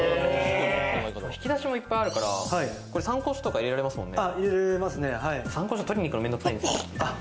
引き出しも、いっぱいあるから参考書とか入れられますもんね。